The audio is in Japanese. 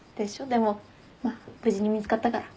でもまあ無事に見つかったから。